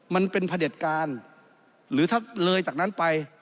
มันเป็นผลิตการหรือถ้าเลยจากนั้นไป